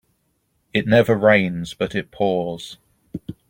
It never rains but it pours